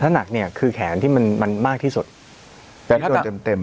ถ้าหนักเนี่ยคือแขนที่มันมันมากที่สุดเป็นตัวเต็มเต็ม